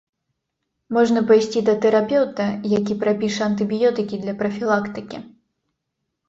Можна пайсці да тэрапеўта, які прапіша антыбіётыкі для прафілактыкі.